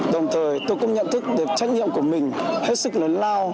đồng thời tôi cũng nhận thức được trách nhiệm của mình hết sức lớn lao